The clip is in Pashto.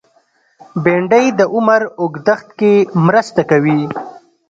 بېنډۍ د عمر اوږدښت کې مرسته کوي